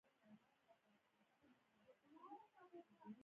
ایا زه به خپل عزیزان وپیژنم؟